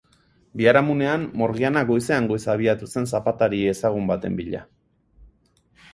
Biharamunean, Morgiana goizean goiz abiatu zen zapatari ezagun baten bila.